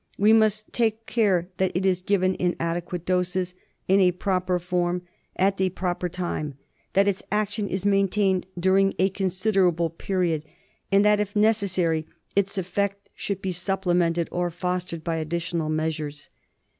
We must take care that it is given in adequate doses, in a proper form, at the proper time, that its action is maintained during a considerable period, and that, if necessary, its effect should be supplemented or fostered by additional measures.